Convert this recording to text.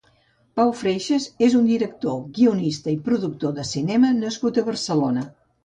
Pau Freixas és un director, guionista i productor de cinema nascut a Barcelona.